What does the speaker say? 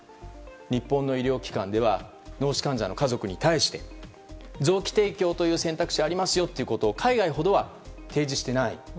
日本の医療機関では脳死患者の家族に対して臓器提供という選択肢がありますよということを海外ほどは提示していない。